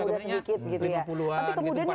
tapi kemudian yang sering